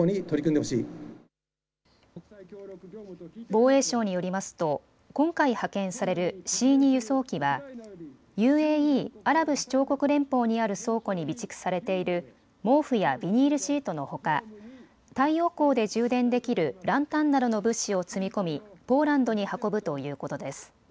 防衛省によりますと今回派遣されるＣ２輸送機はＵＡＥ・アラブ首長国連邦にある倉庫に備蓄されている毛布やビニールシートのほか太陽光で充電できるランタンなどの物資を積み込みポーランドに運ぶということです。